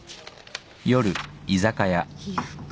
皮膚科？